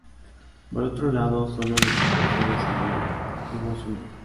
Por otro lado solo un equipo fue descendido: Deportivo Zuñiga.